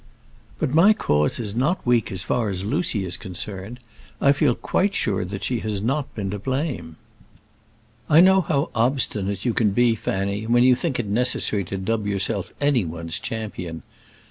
"But my cause is not weak as far as Lucy is concerned; I feel quite sure that she has not been to blame." "I know how obstinate you can be, Fanny, when you think it necessary to dub yourself any one's champion.